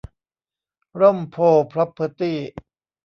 ร่มโพธิ์ พร็อพเพอร์ตี้